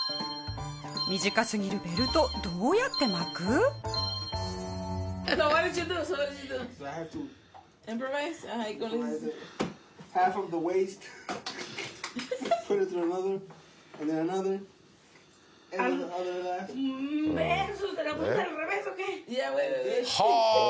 短すぎるベルトどうやって巻く？えっ？はあ！